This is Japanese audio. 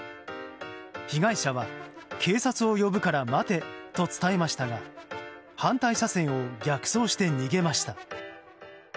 被害者は、警察を呼ぶから待てと伝えましたが反対車線を逆走して逃げました。